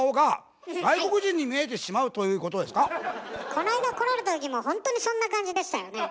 この間来られた時もほんとにそんな感じでしたよね。